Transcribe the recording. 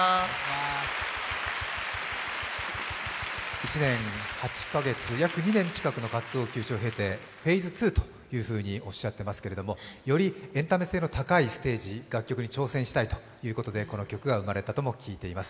１年８カ月、約２年近くの活動中止を経てフェーズ２とおっしゃっていますけどよりエンタメ性の高いステージ、楽曲に挑戦したいということでこの曲が生まれたとも聞いています。